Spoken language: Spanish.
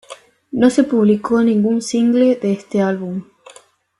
No se publicó ningún single de este álbum.